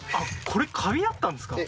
これカビだったんですか。